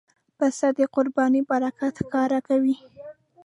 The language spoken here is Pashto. پسه د قربانۍ برکت ښکاره کوي.